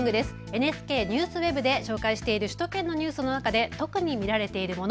ＮＨＫＮＥＷＳＷＥＢで紹介している首都圏のニュースの中で特に見られているもの